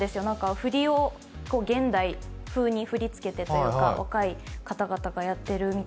振りを現代風に振りつけてというか、若い方々がやってるんで。